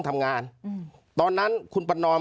เจ้าหน้าที่แรงงานของไต้หวันบอก